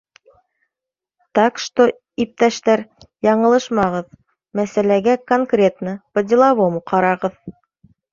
Так что, иптәштәр, яңылышмағыҙ: мәсьәләгә конкретно, по- деловому ҡарағыҙ!